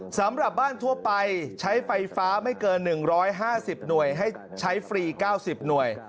สำหรับบ้านทั่วไปใช้ไฟฟ้าไม่เกิน๑๕๐หน่วยให้ใช้ฟรี๙๐หน่วย